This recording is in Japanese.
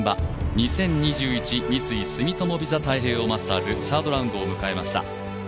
２０２１三井住友ＶＩＳＡ太平洋マスターズサードラウンドを迎えました。